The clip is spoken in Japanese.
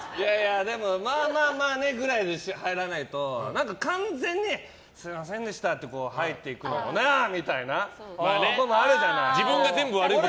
まあまあねぐらいで入らないと完全にすみませんでしたで入っていくのもなみたいなこともあるじゃない。